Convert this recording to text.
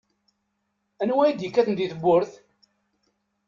Anwa wa i d-ikkaten di tewwurt?